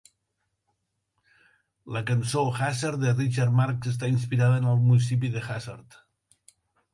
La cançó "Hazard" de Richard Marx està inspirada en el municipi de Hazard.